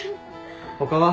他は？